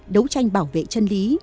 đấu tranh bảo vệ chân lý